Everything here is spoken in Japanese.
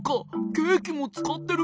ケーキもつかってる。